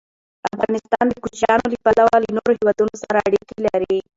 افغانستان د کوچیانو له پلوه له نورو هېوادونو سره اړیکې لري.